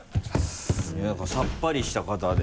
なんかさっぱりした方で。